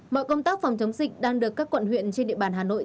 mọi công tác phòng chống dịch đang được các quận huyện trên địa bàn hà nội